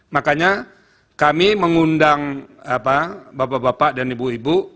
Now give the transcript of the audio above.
makanya kami mengundang bapak bapak dan ibu ibu